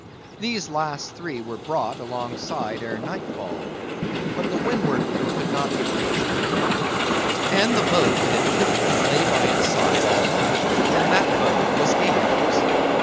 These last three were brought alongside ere nightfall; but the windward one could not be reached till morning; and the boat that had killed it lay by its side all night; and that boat was Ahab's.